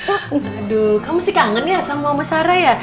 aduh kamu masih kangen ya sama mama sara ya